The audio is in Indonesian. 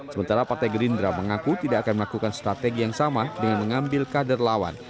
sementara partai gerindra mengaku tidak akan melakukan strategi yang sama dengan mengambil kader lawan